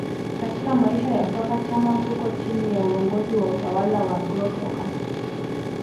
Katika maisha ya soka Chama yuko chini ya uongozi wa utawala wa Bro Soccer